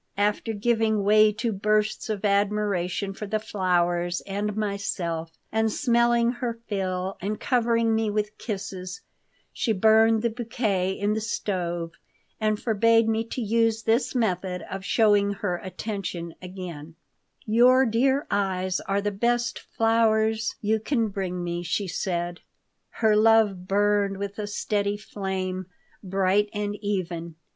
After giving way to bursts of admiration for the flowers and myself, and smelling her fill, and covering me with kisses, she burned the bouquet in the stove and forbade me to use this method of showing her attention again "Your dear eyes are the best flowers you can bring me," she said Her love burned with a steady flame, bright and even.